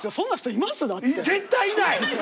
絶対いない！